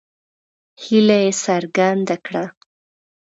هیله یې څرګنده کړه.